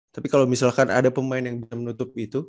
tapi kalau misalkan ada pemain yang bisa menutup itu